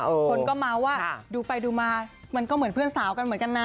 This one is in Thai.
คนก็เมาส์ว่าดูไปดูมามันก็เหมือนเพื่อนสาวกันเหมือนกันนะ